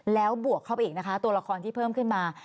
แล้วบวกเข้าไปอีกนะคะตัวละครที่เพิ่มขึ้นมา